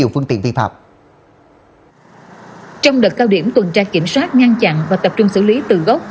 trong phương tiện vi phạm trong đợt cao điểm tuần tra kiểm soát ngăn chặn và tập trung xử lý từ gốc